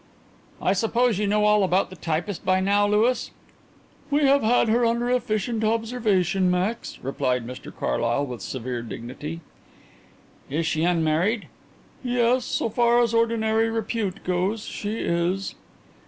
"I suppose you know all about the typist by now, Louis?" "We have had her under efficient observation, Max," replied Mr Carlyle, with severe dignity. "Is she unmarried?" "Yes; so far as ordinary repute goes, she is."